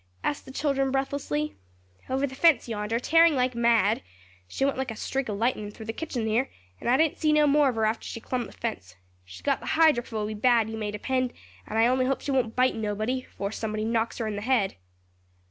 asked the children breathlessly. "Over the fence yonder, tearing like mad. She went like a streak o' lightnin' through the kitching here, and I didn't see no more of her after she clum the fence. She's got the hydrophoby bad, you may depend; and I only hope she won't bite nobody, 'fore somebody knocks her in the head."